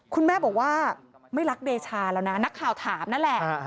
คุณแม่บอกว่าไม่รักเดชาแล้วนะนักข่าวถามนั่นแหละ